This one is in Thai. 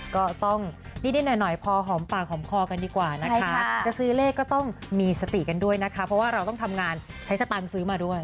ก็ต้องนิดหน่อยพอหอมปากหอมคอกันดีกว่านะคะจะซื้อเลขก็ต้องมีสติกันด้วยนะคะเพราะว่าเราต้องทำงานใช้สตางค์ซื้อมาด้วย